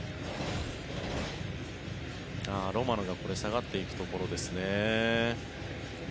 ロマノが下がっていくところですね。